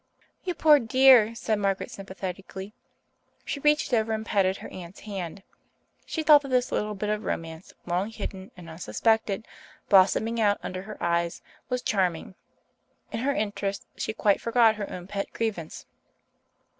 "You poor dear!" said Margaret sympathetically. She reached over and patted her aunt's hand. She thought that this little bit of romance, long hidden and unsuspected, blossoming out under her eyes, was charming. In her interest she quite forgot her own pet grievance.